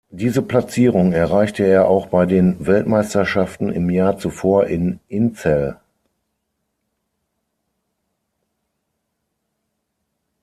Diese Platzierung erreichte er auch bei den Weltmeisterschaften im Jahr zuvor in Inzell.